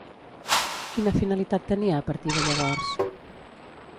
Quina finalitat tenia a partir de llavors?